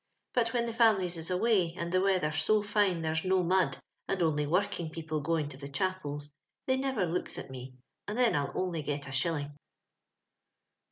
But when the families is away, and the weather so fine there's no mud, and only working people going to the chapels, they never looks at me, and then I'll only get a shilling."